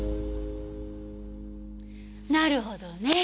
なるほどね。